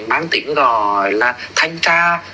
bán tỉnh gọi là thanh tra